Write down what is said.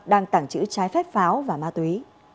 đang tẳng chữ trái phép pháo và ma túy